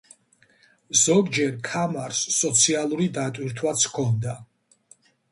ზოგჯერ ქამარს სოციალური დატვირთვაც ჰქონდა.